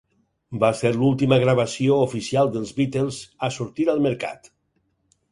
Va ser l'última gravació oficial dels Beatles a sortir al mercat.